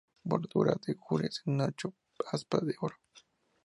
Bordura de gules con ocho aspas, de oro.